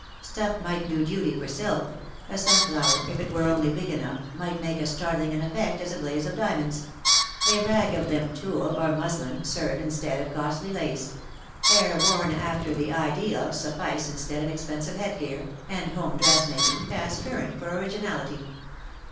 Stuff might do duty for silk — a sunflower, if it were only big enough, might make as startling an effect as a blaze of diamonds — a rag of limp tulle or muslin serve instead of costly lace — hair worn after the ideal suffice instead of expensive headgear, and home dressmaking pass current for WE DRAW NIGH THEE.'' 189 originality.